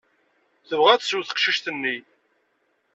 Tebɣa ad tsew teqcict-nni.